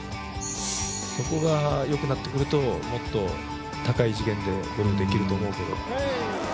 そこがよくなってくるともっと高い次元でプレーできると思うけど。